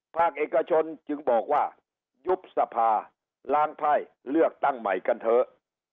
ภาคเอกชนจึงบอกว่ายุบสภาล้างไพ่เลือกตั้งใหม่กันเถอะ